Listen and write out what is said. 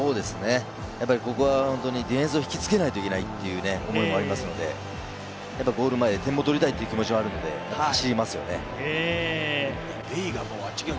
やっぱりここはディフェンスを引きつけないといけないというところでもありますので、ゴール前、点も取りたいという気持ちもあるので走りますね。